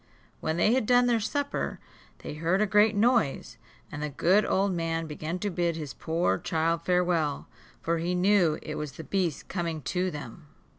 When they had done their supper, they heard a great noise, and the good old man began to bid his poor child farewell, for he knew it was the beast coming to them.